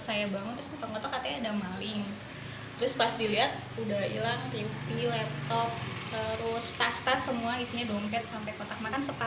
saya masih gak ngeliat sih karena ini kan gelap